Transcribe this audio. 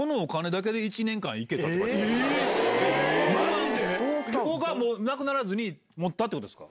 マジで⁉なくならずに持ったってことですか？